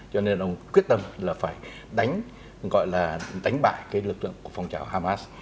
cho nên ông quyết tâm là phải đánh gọi là đánh bại cái lực lượng của phong trào hamas